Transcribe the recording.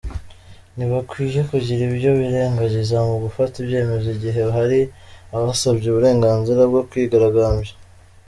Ntibakwiye kugira ibyo birengagiza mu gufata ibyemezo igihe hari abasabye uburenganzira bwo kwigaragambya.